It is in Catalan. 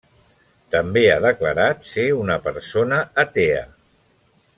També ha declarat ser una persona atea.